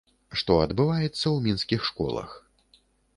Што адбываецца ў мінскіх школах?